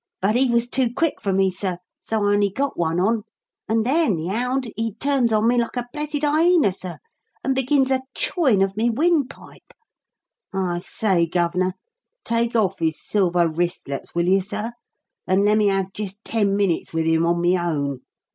But he was too quick for me, sir, so I only got one on; and then, the hound, he turns on me like a blessed hyena, sir, and begins a chawin' of me windpipe. I say, Gov'nor, take off his silver wristlets, will you, sir, and lemme have jist ten minutes with him on my own?